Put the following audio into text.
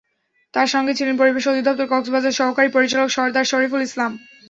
তাঁর সঙ্গে ছিলেন পরিবেশ অধিদপ্তর কক্সবাজারের সহকারী পরিচালক সরদার শরিফুল ইসলাম।